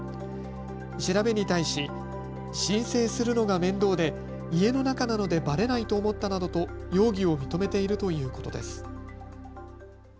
調べに対し申請するのが面倒で家の中なのでばれないと思ったなどと容疑を認めているということです。